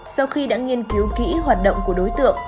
sau khi đã nghiên cứu kỹ hoạt động của đối tượng